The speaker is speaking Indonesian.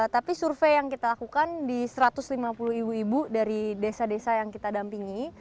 tapi survei yang kita lakukan di satu ratus lima puluh ibu ibu dari desa desa yang kita dampingi